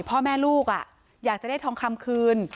พ่อแม่ลูกอยากจะได้ทองคำคืน